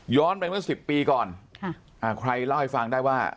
ไปเมื่อ๑๐ปีก่อนใครเล่าให้ฟังได้ว่า